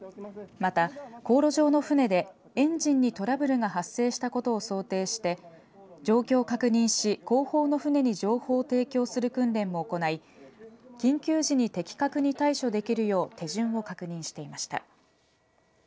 また、航路上の船でエンジンにトラブルが発生したことを想定して状況を確認し後方の船に情報を提供する訓練も行い緊急時に的確に対処できるよう手順を確認していました。